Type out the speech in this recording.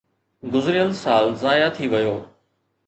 گذريل سال ضايع ٿي ويو.